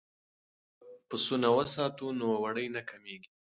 که پسونه وساتو نو وړۍ نه کمیږي.